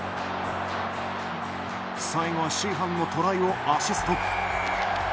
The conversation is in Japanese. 最後はシーハンのトライをアシスト。